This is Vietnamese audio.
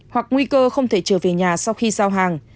hoặc nguy cơ không thể trở về nhà sau khi giao hàng